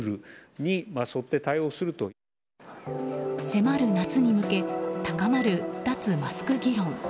迫る夏に向け高まる脱マスク議論。